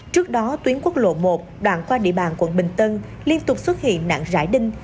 trước đó tuyến quốc lộ một đoạn qua địa bàn quận bình tân liên tục xuất hiện nạn rải đinh